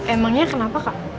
emangnya kenapa kak